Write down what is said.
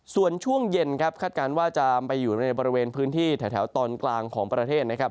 ส่วนช่วงเย็นครับคาดการณ์ว่าจะไปอยู่ในบริเวณพื้นที่แถวตอนกลางของประเทศนะครับ